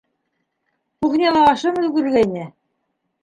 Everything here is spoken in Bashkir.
Кухняла ашым өлгөргәйне!